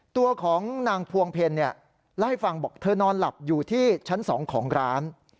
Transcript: ตัวของนางพวงเพลเล่าให้ฟังบอกเธอนอนหลับอยู่ที่ชั้น๒ของร้าน